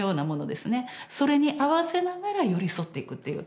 それに合わせながら寄り添っていくっていう。